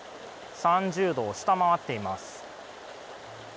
３０度を下回っています。